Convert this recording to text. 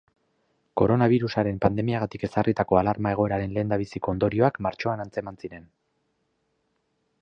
Koronabirusaren pandemiagatik ezarritako alarma-egoeraren lehendabiziko ondorioak martxoan antzeman ziren.